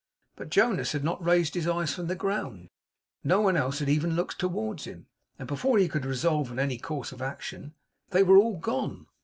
But Jonas had not raised his eyes from the ground; no one else had even looked towards him; and before he could resolve on any course of action, they were all gone.